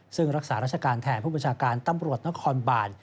ซึ่งรักษาราชการแทนผู้บัญชาการตำรวจนครบาน